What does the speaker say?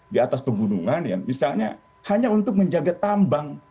di atas pegunungan ya misalnya hanya untuk menjaga tambang